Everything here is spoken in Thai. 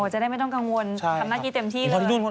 จะได้ไม่ต้องกังวลทำหน้าที่เต็มที่เลย